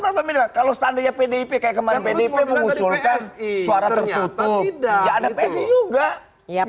tadi kalau sandinya pdp pdp mengusulkan suara ternyata tidak ada pesi juga ya